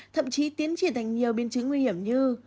thậm chí tiến triển thành nhiều biên chứng nguy hiểm như